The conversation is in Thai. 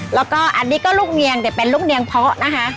แล้วก็อันนี้ก็ลูกเนียงแต่เป็นลูกเนียงเพาะนะคะ